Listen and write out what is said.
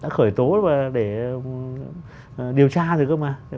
đã khởi tố để điều tra được không ạ